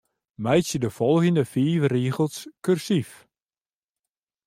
Meitsje de folgjende fiif rigels kursyf.